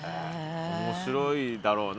面白いだろうな。